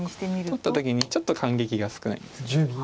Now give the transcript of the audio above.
取った時にちょっと感激が少ないんです。